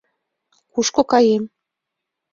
Кушко каем?